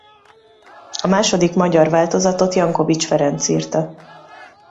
A második magyar változatot Jankovich Ferenc írta.